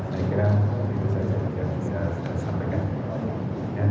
saya kira itu saja yang saya sampaikan